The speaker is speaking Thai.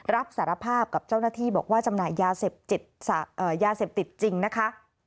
รับสารภาพกับเจ้าหน้าที่บอกว่าจำหน่ายยาเสพติดยาเสพติดจริงนะคะ